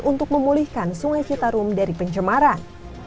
untuk memulihkan sungai citarum dari pencemaran